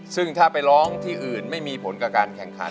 ซึ่งถ้าไปร้องที่อื่นไม่มีผลกับการแข่งขัน